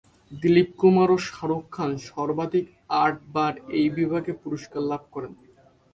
দিলীপ কুমার ও শাহরুখ খান সর্বাধিক আটবার এই বিভাগে পুরস্কার লাভ করেন।